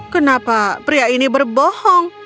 kenapa pria ini berbohong